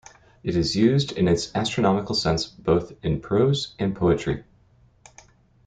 It is used in its astronomical sense both in prose and poetry.